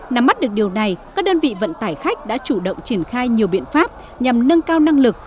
nắm mắt được điều này các đơn vị vận tải khách đã chủ động triển khai nhiều biện pháp nhằm nâng cao năng lực